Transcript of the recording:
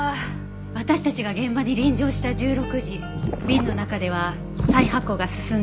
私たちが現場に臨場した１６時瓶の中では再発酵が進んでいました。